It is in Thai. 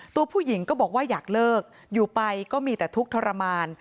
ตัวผู้หญิงก็บอกว่าอยากเลิกอยู่ไปก็มีแต่ทุกข์ทรมาน